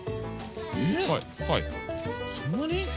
えそんなに！？